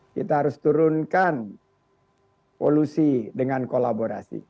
kita harus turunkan polusi dengan kolaborasi